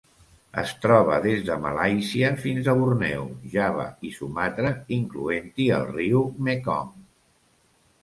Es troba des de Malàisia fins a Borneo, Java i Sumatra, incloent-hi el riu Mekong.